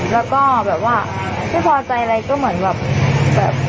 แล้วก็แบบว่าไม่พอใจอะไรก็เหมือนแบบ